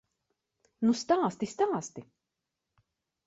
Nu stāsti, stāsti!